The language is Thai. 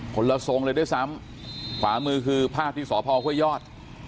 คนละทรงเลยด้วยซ้ำขวามือคือภาพที่สพห้วยยอด